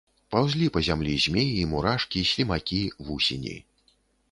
Паўзлі па зямлі змеі, мурашкі, слімакі, вусені.